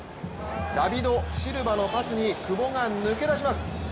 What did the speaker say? ダビド・シルバのパスに久保が抜け出します。